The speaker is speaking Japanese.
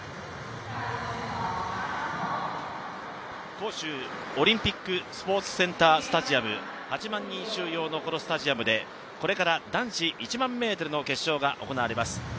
杭州オリンピックスポーツセンタースタジアム、８万人収容のこのスタジアムで、これから男子１００００ｍの決勝が行われます。